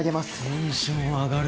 テンション上がる！